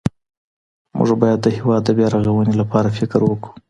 موږ بايد د هېواد د بيا رغونې لپاره فکر وکړو.